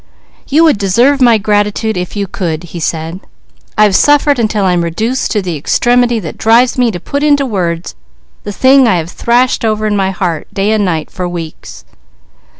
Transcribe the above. "You would deserve my gratitude if you could," he said. "I've suffered until I'm reduced to the extremity that drives me to put into words the thing I have thrashed over in my heart day and night for weeks."